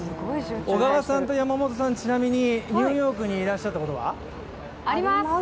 小川さんと山本さん、ちなみにニューヨークにいらっしゃったことは？あります！